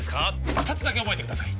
二つだけ覚えてください